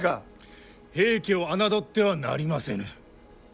平家を侮ってはなりませぬ。